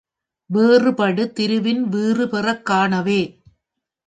வேறுபடு திருவின் வீறு பெறக் காணவே.